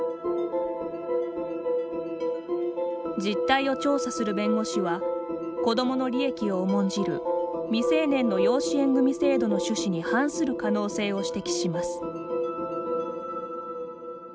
実態を調査する弁護士は子どもの利益を重んじる未成年の養子縁組制度の趣旨に反する可能性を指摘します。